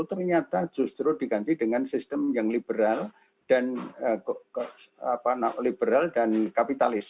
ternyata justru diganti dengan sistem yang liberal dan kapitalis